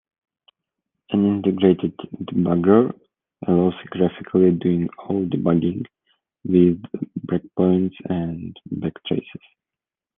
An integrated debugger allows graphically doing all debugging with breakpoints and backtraces.